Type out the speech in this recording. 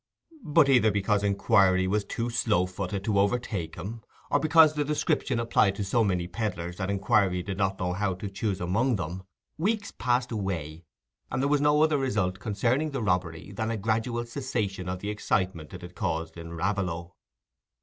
But either because inquiry was too slow footed to overtake him, or because the description applied to so many pedlars that inquiry did not know how to choose among them, weeks passed away, and there was no other result concerning the robbery than a gradual cessation of the excitement it had caused in Raveloe.